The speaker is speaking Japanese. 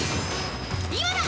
今だ！